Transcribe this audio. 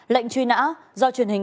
lệnh truy nã do truyền hình